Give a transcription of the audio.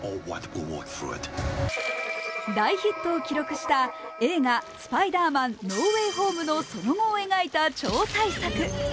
大ヒットを記録した映画「スパイダーマン：ノーウェイ・ホーム」のその後を描いた超大作。